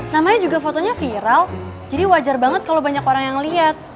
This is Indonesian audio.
namanya juga fotonya viral jadi wajar banget kalau banyak orang yang lihat